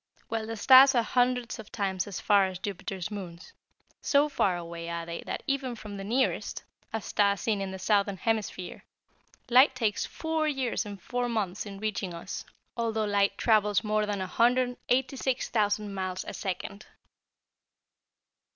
Well, the stars are hundreds of times as far away as Jupiter's moons. So far away are they that even from the nearest a star seen in the southern hemisphere light takes four years and four months in reaching us, although light travels more than 186,000 miles a second."